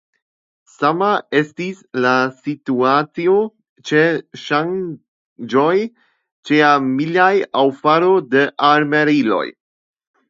Sama estis la situacio ĉe ŝanĝoj ĉearmilaj aŭ faro de armileroj.